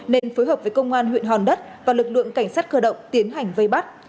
nên phối hợp với công an huyện hòn đất và lực lượng cảnh sát cơ động tiến hành vây bắt